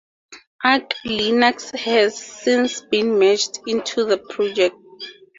Ark Linux has since been merged into the project.